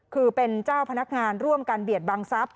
คือเป็นเจ้าพนักงานร่วมกันเบียดบังทรัพย